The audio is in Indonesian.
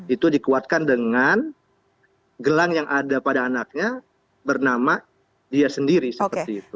itu dikuatkan dengan gelang yang ada pada anaknya bernama dia sendiri seperti itu